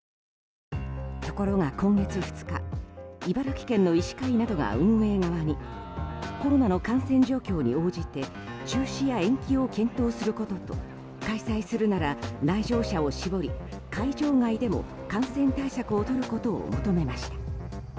ところが今月２日茨城県の医師会などらが運営側にコロナの感染状況に応じて中止や延期を検討することと開催するなら来場者を絞り、会場外でも感染対策をとることを求めました。